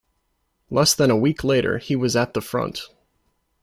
Less than a week later, he was at the front.